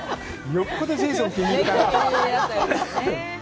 よっぽどジェイソン気に入ったんだね。